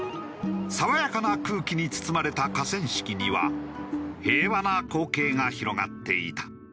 爽やかな空気に包まれた河川敷には平和な光景が広がっていた。